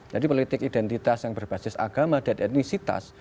jadi politik identitas yang berbasis agama dan etnisitas